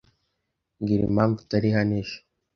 Mbwira impamvu utari hano ejo.